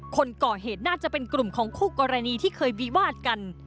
คนก่อเหตุน่าจะเป็นกลุ่มของคู่กรณีที่เคยวิวาดกัน